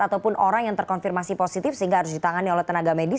ataupun orang yang terkonfirmasi positif sehingga harus ditangani oleh tenaga medis